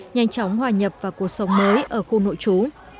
nhanh chóng hòa nhập vào cuộc sống mới ở khu nội trú